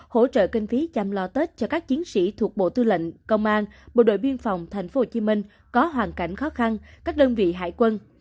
hỗ trợ kinh phí chăm lo tết cho các chiến sĩ thuộc bộ tư lệnh công an bộ đội biên phòng thành phố hồ chí minh có hoàn cảnh khó khăn các đơn vị hải quân